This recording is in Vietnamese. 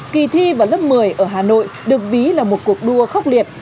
kỳ thi vào lớp một mươi ở hà nội được ví là một cuộc đua khốc liệt